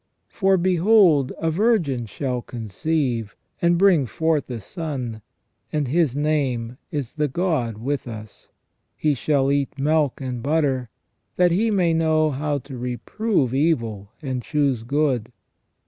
For, " Behold, a virgin shall conceive, and bring forth a Son, and His name is the God with us. He shall eat milk and butter, that He may know how to reprove evil and choose good."